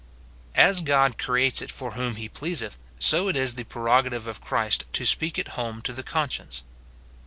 ^Vs God creates it for wliom lie ijleaseth , so it is the prerogative of Christ to speak it home to the conscience.